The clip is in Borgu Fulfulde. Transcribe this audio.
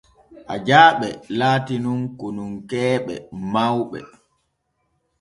Ajaaɓe laati nun konunkeeɓe mawɓe.